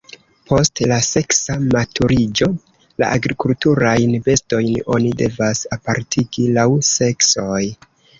Post la seksa maturiĝo la agrikulturajn bestojn oni devas apartigi laŭ seksoj.